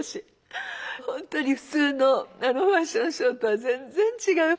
本当に普通のファッションショーとは全然違う。